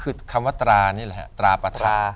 ก็คือคำว่าตรานี้แหละตราปทัพ